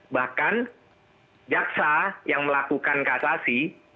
bahkan jaksa yang melakukan kasasi